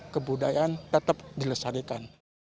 kebudayaan tetap direstarikan